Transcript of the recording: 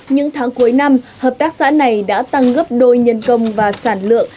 những tháng cuối năm hợp tác xã này đã tăng gấp đôi nhân công và sản lượng